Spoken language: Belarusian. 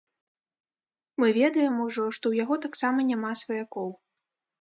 Мы ведаем ужо, што ў яго таксама няма сваякоў.